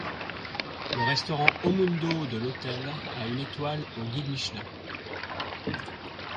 Le restaurant O Mundo de l'hôtel a une étoile au guide Michelin.